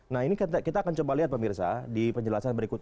nah ini kita akan coba lihat pemirsa di penjelasan berikut